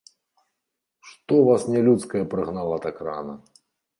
Што вас нялюдскае прыгнала так рана?